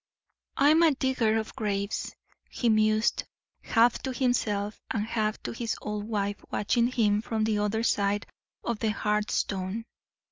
"I'm a digger of graves," he mused, half to himself and half to his old wife watching him from the other side of the hearthstone.